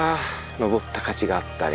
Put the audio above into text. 登った価値があったね。